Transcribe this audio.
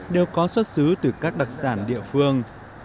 đều có xuất xứ từ các đặc sản địa phương